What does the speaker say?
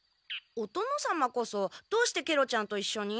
お殿様こそどうしてケロちゃんといっしょに？